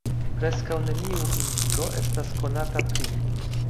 Preskaŭ neniu indiko estas konata pri li.